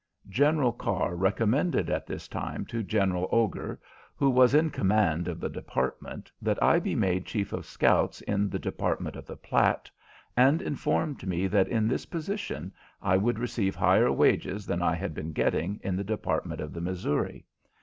General Carr recommended at this time to General Augur, who was in command of the department, that I be made chief of scouts in the Department of the Platte, and informed me that in this position I would receive higher wages than I had been getting in the Department of the Missouri.